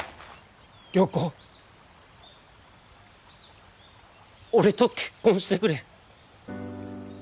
良子俺と結婚してくれ。